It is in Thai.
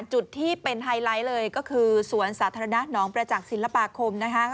จุดที่เป็นไฮไลท์เลยก็คือสวนสาธารณะหนองประจักษ์ศิลปาคมนะคะ